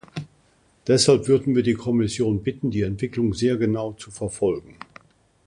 Deshalb würden wir die Kommission bitten, die Entwicklung sehr genau zu verfolgen.